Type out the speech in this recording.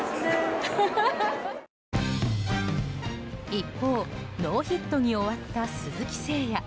一方、ノーヒットに終わった鈴木誠也。